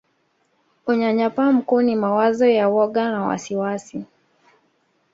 Unyanyapaa mkuu ni mawazo ya woga na wasiwasi